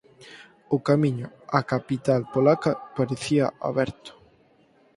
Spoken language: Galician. O camiño á capital polaca parecía aberto.